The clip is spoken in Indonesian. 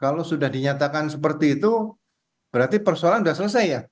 kalau sudah dinyatakan seperti itu berarti persoalan sudah selesai ya